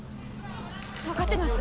分かってます。